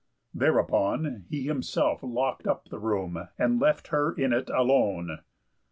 Thereupon he himself locked up the room, and left her in it alone.